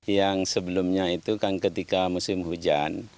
yang sebelumnya itu kan ketika musim hujan